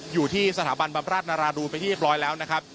อยู่ที่สถาบันบำราชนาราดูนไปที่เรียบร้อยแล้วนะครับ